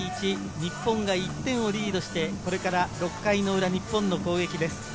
日本が１点をリードしてこれからの６回の裏、日本の攻撃です。